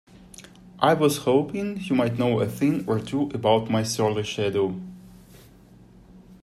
I was hoping you might know a thing or two about my surly shadow?